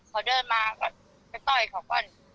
เขาเดินมาก็ไปต่อยเขาก่อน